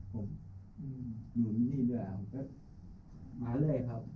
ผมอยู่ที่นี่ด้วยครับผมจะมาได้เลยครับ